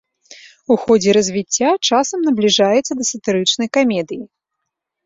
У ходзе развіцця часам набліжаецца да сатырычнай камедыі.